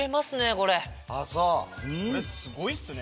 これすごいっすね。